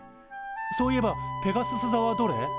そういえばペガスス座はどれ？